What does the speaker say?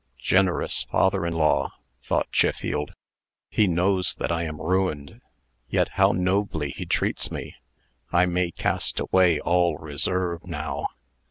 "Generous father in law!" thought Chiffield. "He knows that I am ruined. Yet how nobly he treats me! I may cast away all reserve now."